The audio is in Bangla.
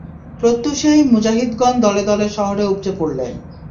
প্রত্যুষেই মুজাহিদগণ দলে দলে শহরে উপচে পড়লেন।